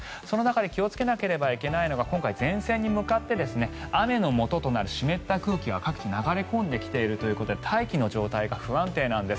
気をつけないといけないのは今回、前線に向かって雨のもととなる湿った空気が各地に流れ込んできているということで大気の状態が不安定なんです。